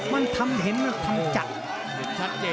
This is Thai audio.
มันทำเห็นมันทำจัด